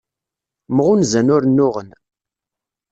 Mɣunzan ur nnuɣen.